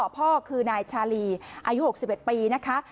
พ่อคือนายชาลีอายุ๖๑ปีนะคะ